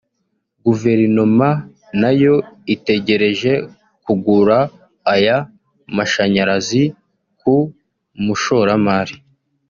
guverinoma nayo itegereje kugura aya mashanyarazi ku mushoramari